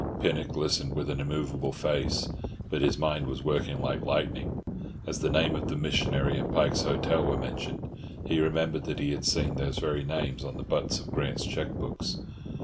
Pinnock listened with an immovable face, but his mind was working like lightning. As the name of the missionary and Pike's Hotel were mentioned, he remembered that he had seen these very names on the butts of Grant's cheque books.